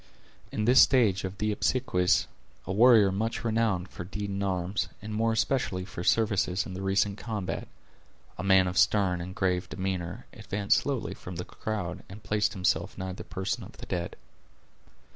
In this stage of the obsequies, a warrior much renowned for deed in arms, and more especially for services in the recent combat, a man of stern and grave demeanor, advanced slowly from the crowd, and placed himself nigh the person of the dead.